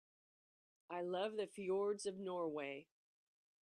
I love the fjords of Norway.